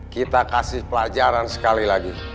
kita kasih pelajaran sekali lagi